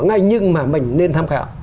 ngay nhưng mà mình nên tham khảo